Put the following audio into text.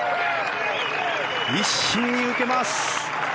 一身に受けます。